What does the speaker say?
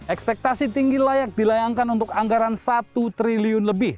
ekspektasi tinggi layak dilayangkan untuk anggaran satu triliun lebih